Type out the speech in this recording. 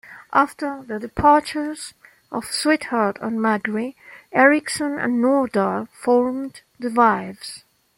After the departures of Sweetheart and Magri, Ericson and Nordahl formed The Vibes.